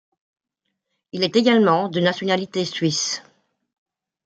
Il est également de nationalité suisse.